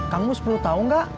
kamu sepuluh tahun gak